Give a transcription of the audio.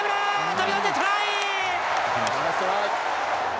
飛び込んでトライ！